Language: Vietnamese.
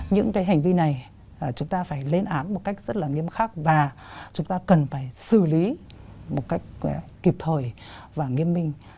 những cái hành vi này chúng ta phải lên án một cách rất là nghiêm khắc và chúng ta cần phải xử lý một cách kịp thời và nghiêm minh